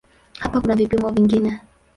Hapo kuna vipimo vingine.